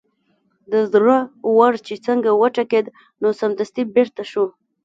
د زړه ور چې څنګه وټکېد نو سمدستي بېرته شو.